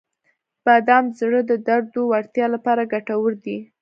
• بادام د زړه د دردو وړتیا لپاره ګټور دي.